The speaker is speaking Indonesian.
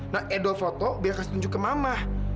nah edo foto biar kasih tunjuk ke mama